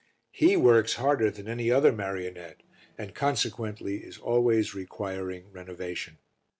He works harder than any other marionette and consequently is always requiring renovation.